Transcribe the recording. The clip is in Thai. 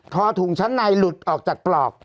อถุงชั้นในหลุดออกจากปลอก